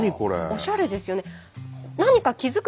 おしゃれですよね。